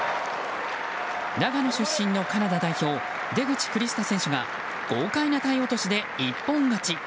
長野出身のカナダ代表出口クリスタ選手が豪快な体落としで一本勝ち。